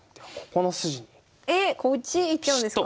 えっこっちいっちゃうんですか！